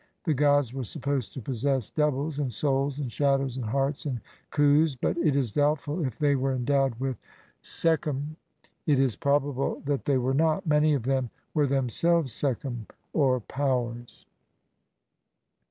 The gods were supposed to possess doubles, and souls, and shadows, and hearts, and khus* but it is doubtful if they w r ere endowed with sckhemu ; it is probable that they were not ; many of them were themselves sekhcmu or "Powers".